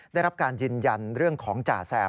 ได้รับการยืนยันเรื่องของจ่าแซม